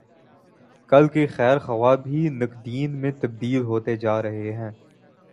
کل کے خیر خواہ بھی ناقدین میں تبدیل ہوتے جارہے ہیں۔